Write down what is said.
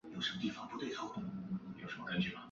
徙封长乐王。